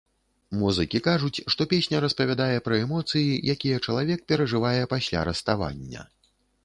Музыкі кажуць, што песня распавядае пра эмоцыі, якія чалавек перажывае пасля раставання.